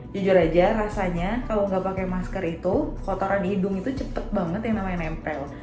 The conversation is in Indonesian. jujur aja rasanya kalau nggak pakai masker itu kotoran hidung itu cepet banget yang namanya nempel